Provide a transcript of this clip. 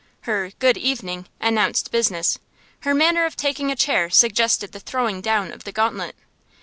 Her "Good evening" announced business; her manner of taking a chair suggested the throwing down of the gauntlet.